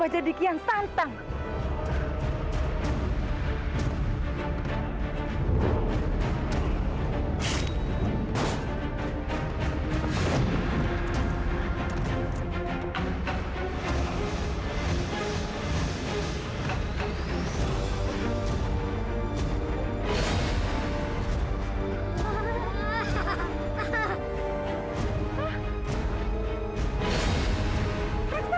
sini juga kian santang nek